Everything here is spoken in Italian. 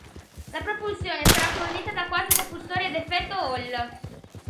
La propulsione sarà fornita da quattro propulsori ad effetto Hall.